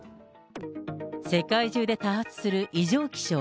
世界中で多発する異常気象。